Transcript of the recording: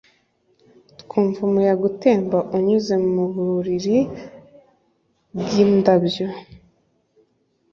Twumva umuyaga utemba unyuze muburiri bwindabyo